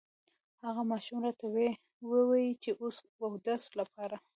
هغه ماشوم راته ووې چې اودس لپاره